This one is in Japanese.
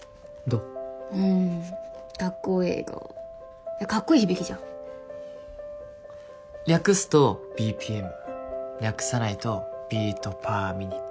うんかっこええがかっこいい響きじゃ略すとＢＰＭ略さないとビート・パー・ミニット